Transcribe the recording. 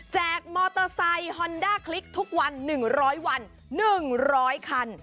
มอเตอร์ไซค์ฮอนด้าคลิกทุกวัน๑๐๐วัน๑๐๐คัน